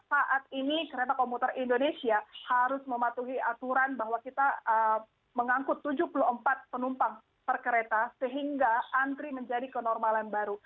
saat ini kereta komuter indonesia harus mematuhi aturan bahwa kita mengangkut tujuh puluh empat penumpang per kereta sehingga antri menjadi kenormalan baru